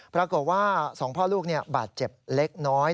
ปรากฏว่า๒พ่อลูกบาดเจ็บเล็กน้อย